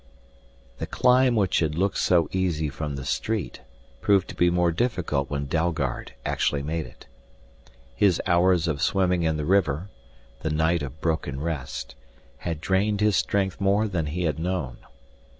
The climb which had looked so easy from the street proved to be more difficult when Dalgard actually made it. His hours of swimming in the river, the night of broken rest, had drained his strength more than he had known.